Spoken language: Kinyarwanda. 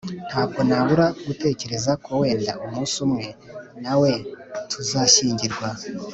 Ntabwo nabura gutekereza ko wenda umunsi umwe nawe tuzashyingirwa